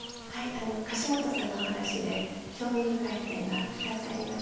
樫本さんの話で興味深い点が２つありまして。